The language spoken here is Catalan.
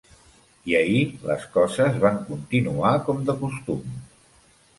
I ahir les coses van continuar com de costum.